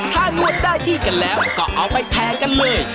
ถ้านวดได้ที่กันแล้วก็เอาไปแทงกันเลย